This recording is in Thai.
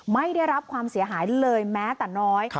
ไม่ได้รับความเสียหายเลยแม้แต่น้อย